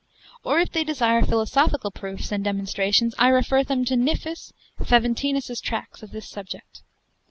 Or if they desire philosophical proofs and demonstrations, I refer them to Niphus, Nic. Faventinus' tracts of this subject.